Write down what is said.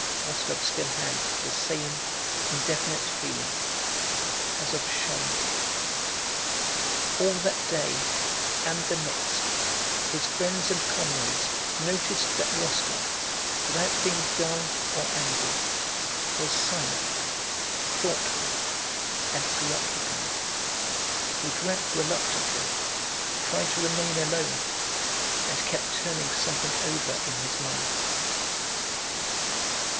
Rostóv still had the same indefinite feeling, as of shame. All that day and the next his friends and comrades noticed that Rostóv, without being dull or angry, was silent, thoughtful, and preoccupied. He drank reluctantly, tried to remain alone, and kept turning something over in his mind.